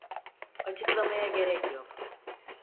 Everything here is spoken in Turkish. Açıklamaya gerek yok.